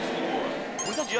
俺たちが？